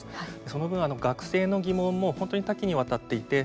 その分、学生の疑問も本当に多岐にわたっていて